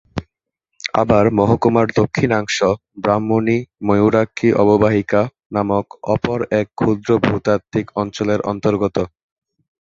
আবার মহকুমার দক্ষিণাংশ ব্রাহ্মণী-ময়ূরাক্ষী অববাহিকা নামক অপর এক ক্ষুদ্র ভূতাত্ত্বিক অঞ্চলের অন্তর্গত।